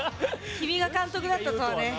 君が監督だったとはね。